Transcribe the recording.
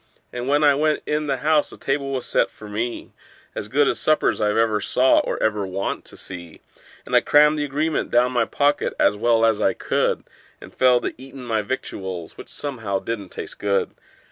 And when I went in the house the table was set for me— As good a supper's I ever saw, or ever want to see; And I crammed the agreement down my pocket as well as I could, And fell to eatin' my victuals, which somehow didn't taste good.